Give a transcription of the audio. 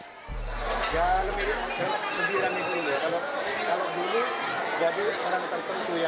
ya lebih ramai dulu ya